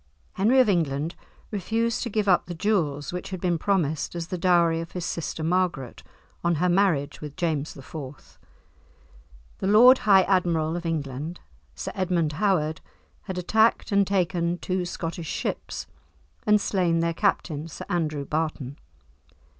Henry of England refused to give up the jewels which had been promised as the dowry of his sister Margaret on her marriage with James IV. The Lord High Admiral of England, Sir Edmund Howard, had attacked and taken two Scottish ships, and slain their captain, Sir Andrew Barton.